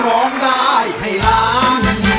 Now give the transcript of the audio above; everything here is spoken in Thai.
ร้องได้ให้ล้าน